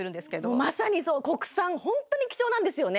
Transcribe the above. まさにそう国産ホントに貴重なんですよね